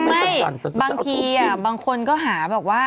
ไม่บางทีบางคนก็หาแบบว่า